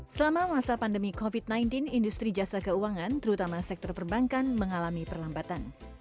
selama masa pandemi covid sembilan belas industri jasa keuangan terutama sektor perbankan mengalami perlambatan